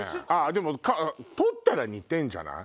でも取ったら似てるんじゃない？